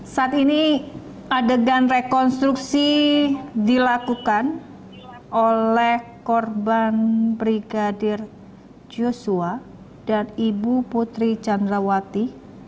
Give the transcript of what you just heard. saat ini adegan rekonstruksi dilakukan oleh korban brigadir joshua dan ibu putri candrawati